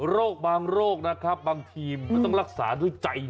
โรคบางโรคนะครับบางทีมมันต้องรักษาด้วยใจจริง